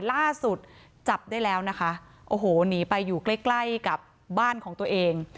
ล่าสุดจับได้แล้วนะคะโอ้โหหนีไปอยู่ใกล้ใกล้กับบ้านของตัวเอง